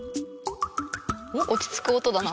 落ち着く音だな。